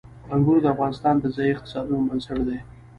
انګور د افغانستان د ځایي اقتصادونو بنسټ دی.